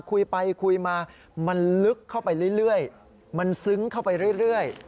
คุยไปคุยมามันลึกเข้าไปเรื่อยมันซึ้งเข้าไปเรื่อย